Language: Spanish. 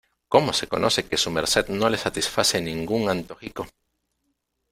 ¡ cómo se conoce que su merced no le satisface ningún antojico!